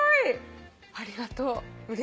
ありがとう。